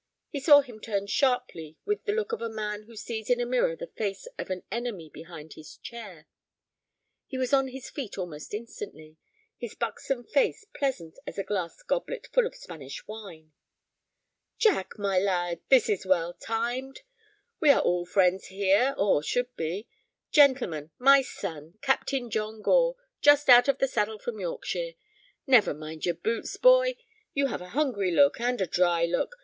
He saw him turn sharply with the look of a man who sees in a mirror the face of an enemy behind his chair. He was on his feet almost instantly, his buxom face pleasant as a glass goblet full of Spanish wine. "Jack, my lad, this is well timed! We are all friends here, or should be. Gentlemen, my son, Captain John Gore, just out of the saddle from Yorkshire. Never mind your boots, boy. You have a hungry look, and a dry look.